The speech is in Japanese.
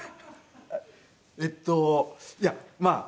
えっといやまあ